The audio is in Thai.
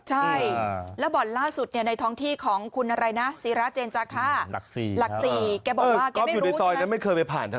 ใช่แล้วบ่อนล่าสุดในท้องที่ของสาร้าเจนจ้าค่า